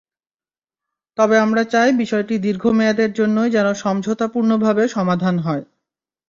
তবে আমরা চাই বিষয়টি দীর্ঘ মেয়াদের জন্যই যেন সমঝোতাপূর্ণভাবে সমাধান হয়।